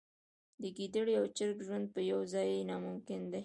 د ګیدړې او چرګ ژوند په یوه ځای ناممکن دی.